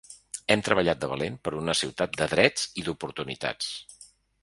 Hem treballat de valent per una ciutat de drets i d’oportunitats.